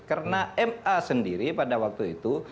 karena ma sendiri pada waktu itu